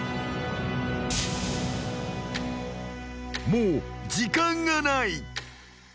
［もう時間がない］